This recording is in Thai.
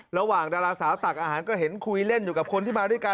ดาราสาวตักอาหารก็เห็นคุยเล่นอยู่กับคนที่มาด้วยกัน